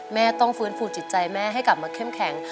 แม่ต้องฟื้นฟูจิตใจแม่ให้กลับมาเข้มแข็ง